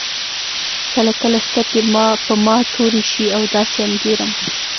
کله کله سترګې په ما تورې شي او داسې انګېرم.